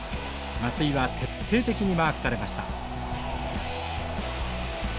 松井は徹底的にマークされました。